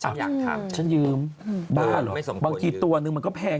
ฉันอยากทำฉันยืมบ้าหรอบางกี่ตัวนึงมันก็แพง